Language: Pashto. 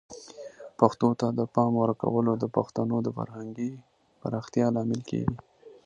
پښتو ته د پام ورکول د پښتنو د فرهنګي پراختیا لامل کیږي.